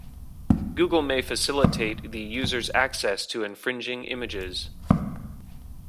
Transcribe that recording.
Google may facilitate the user's access to infringing images.